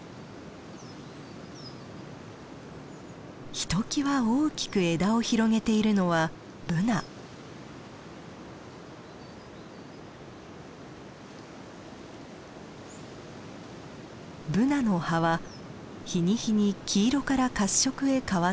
ひときわ大きく枝を広げているのはブナの葉は日に日に黄色から褐色へ変わっていきます。